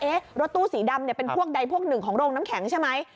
รถตู้สีดำเนี่ยเป็นพวกใดพวกหนึ่งของโรงน้ำแข็งใช่ไหม